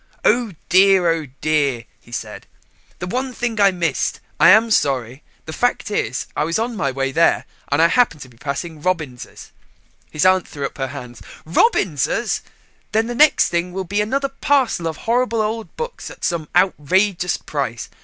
"Oh dear, oh dear," he said, "the one thing I missed. I am sorry. The fact is I was on my way there and I happened to be passing Robins's." His aunt threw up her hands. "Robins's! Then the next thing will be another parcel of horrible old books at some outrageous price.